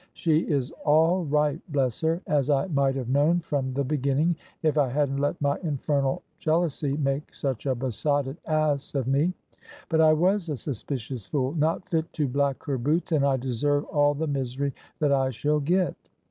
She is all right, bless her! as I might have known from the beginning, if I hadn't let my infernal jealousy make such a besotted ass of me. But I was a suspicious fool, not fit to black her boots, and I deserve all the misery that I shall get."